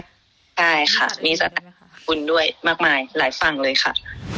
ใช่ค่ะมีสถานบุญด้วยมากมายหลายฝั่งเลยค่ะ